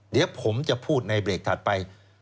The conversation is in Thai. เดี๋ยวผมจะพูดในเบรกถัดไป